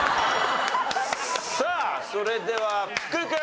さあそれでは福君。